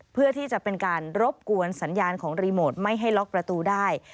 เพื่อที่จะเป็นการรบกวนสัญญาณของรีโมทไม่ให้ล็อกประตูได้